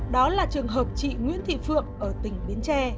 đó là trường hợp chị nguyễn thị phượng ở tỉnh bến tre